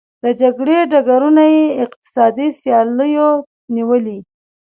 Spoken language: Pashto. د جګړې ډګرونه یې اقتصادي سیالیو نیولي.